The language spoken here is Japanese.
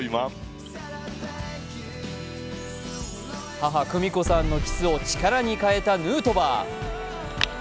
母・久美子さんのキスを力に変えたヌートバー。